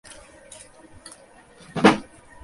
যারা ঝুঁকি নিয়েছিল তারাই শুধু খেয়েছিল।